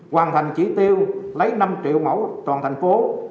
hoàn thành chỉ tiêu lấy năm triệu mẫu toàn thành phố